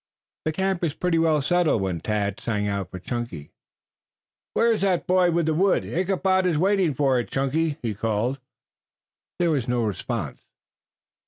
The camp was pretty well settled when Tad sang out for Chunky. "Where is that boy with the wood? Ichabod is waiting for it. Chunky!" he called. There was no response.